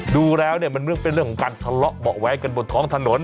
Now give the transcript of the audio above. ดูแล้วเนี่ยมันเป็นเรื่องของการทะเลาะเบาะแว้กันบนท้องถนน